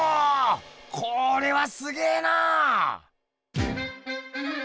これはすげぇな！